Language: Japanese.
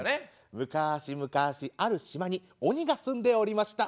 むかし昔ある島に鬼が住んでおりました。